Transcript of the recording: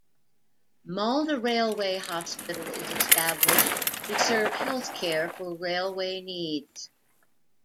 Malda Railway Hospital is established to serve health care for railway needs.